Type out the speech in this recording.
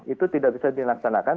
itu tidak bisa dilaksanakan